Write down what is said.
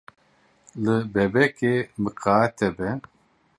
Li bebekê miqate be.